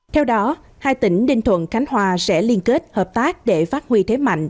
theo đó hai tỉnh ninh thuận khánh hòa sẽ liên kết hợp tác để phát huy thế mạnh